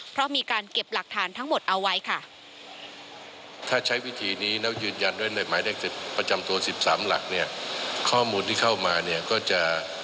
เพราะมีการเก็บหลักฐานทั้งหมดเอาไว้ค่ะ